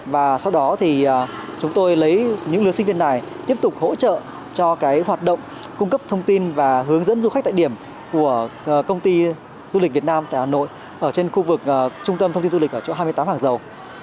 và sau đó thì chúng tôi lấy những lứa sinh viên này tiếp tục hỗ trợ cho hoạt động cung cấp thông tin và hướng dẫn du khách tại điểm của công ty du lịch việt nam tại hà nội ở trên khu vực trung tâm thông tin du lịch ở chỗ hai mươi tám hàng dầu